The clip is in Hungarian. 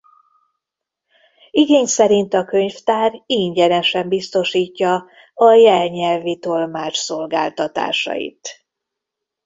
Igény szerint a könyvtár ingyenesen biztosítja a jelnyelvi tolmács szolgáltatásait.